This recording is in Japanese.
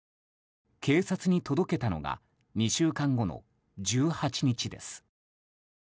警察に届けたのが２週間後の１８日です。